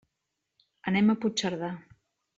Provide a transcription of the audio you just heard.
Anem a Puigcerdà.